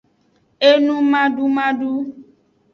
Enumadumadu.